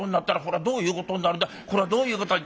これはどういうことに」。